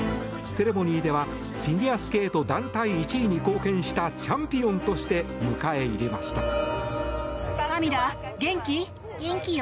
セレモニーではフィギュアスケート団体１位に貢献したチャンピオンとして迎え入れました。